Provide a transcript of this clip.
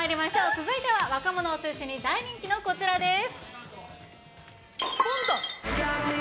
続いては若者を中心に大人気のこちらです。